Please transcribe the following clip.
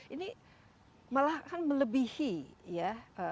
ini malah melebihi ya